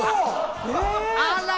あら！